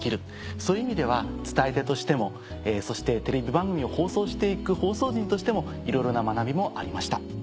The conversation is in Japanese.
そういう意味では伝え手としてもそしてテレビ番組を放送して行く放送人としてもいろいろな学びもありました。